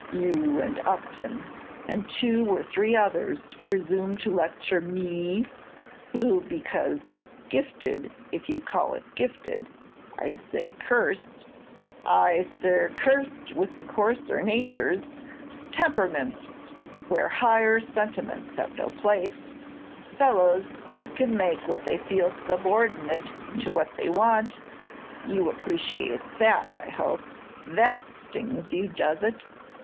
"You and Upton, and two or three others, presume to lecture me who, because gifted, if you call it gifted I'd say cursed ay, sir, cursed with coarser natures temperaments where higher sentiments have no place fellows that can make what they feel subordinate to what they want you appreciate that, I hope that stings you, does it?